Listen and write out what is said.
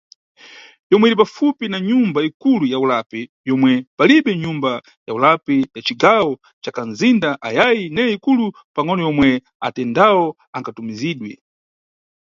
Yomwe iri pafupi na Nyumba Ikulu ya ulapi yomwe palibe nyumba ya ulapi ya cigawo ya kanʼzinda ayayi neye ikulu pangʼono yomwe atendawo angatumizidwe.